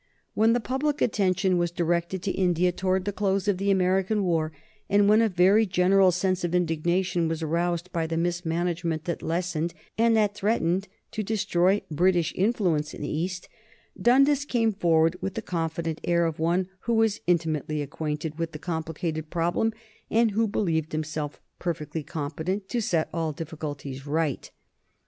When the public attention was directed to India, towards the close of the American war, and when a very general sense of indignation was aroused by the mismanagement that lessened and that threatened to destroy British influence in the East, Dundas came forward with the confident air of one who was intimately acquainted with the complicated problem and who believed himself perfectly competent to set all difficulties right.